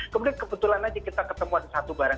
kemudian kebetulan aja kita ketemu ada satu barang